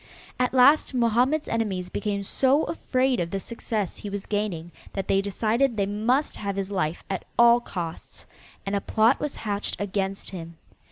At last Mohammed's enemies became so afraid of the success he was gaining that they decided they must have his life at all costs, and a plot was hatched against him.